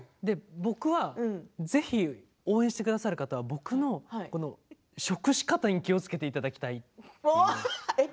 で、僕はぜひ応援してくださる方は僕の、この食し方に気をつけていただきたいっていう。